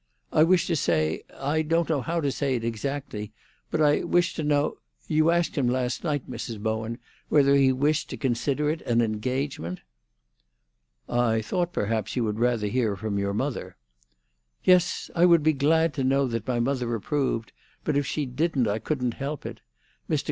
I wish to say—I don't know how to say it exactly; but I wish to know—You asked him last night, Mrs. Bowen, whether he wished to consider it an engagement?" "I thought perhaps you would rather hear from your mother—" "Yes, I would be glad to know that my mother approved; but if she didn't, I couldn't help it. Mr.